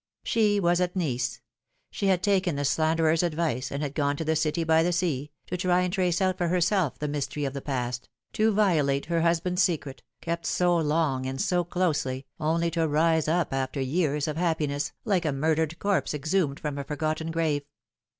She was at Nice ; she had taken the slanderer's advice and had gone to the city by the sea, to try and trace out for her self the mystery of the past, to violate her husband's secret, kept so long and so closely, only to rise up after years of hap piness, like a murdered corpse exhumed from a forgotten grave.